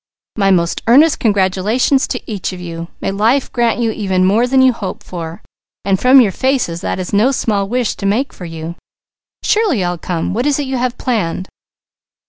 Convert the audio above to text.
"My most earnest congratulations to each of you. May life grant you even more than you hope for, and from your faces, that is no small wish to make for you. Surely I'll come! What is it you have planned?"